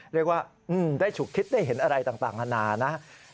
เรียกว่าได้ฉุกคิดได้เห็นอะไรต่างนานานะ